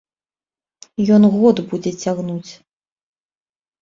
Ён год будзе цягнуць!